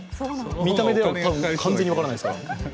見た目では完全には分からないですから。